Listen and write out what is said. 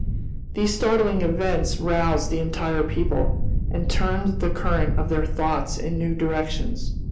These startling events roused the entire people, and turned the current of their thoughts in new directions.